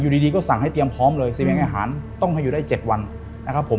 ดีก็สั่งให้เตรียมพร้อมเลยซีเมนอาหารต้องให้อยู่ได้๗วันนะครับผม